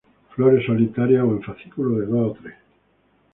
Flores solitarias o en fascículos de dos o tres.